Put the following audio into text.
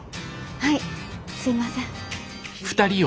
はいすいません。